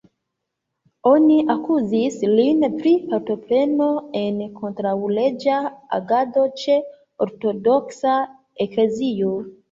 Oni akuzis lin pri partopreno en kontraŭleĝa agado ĉe Ortodoksa Eklezio.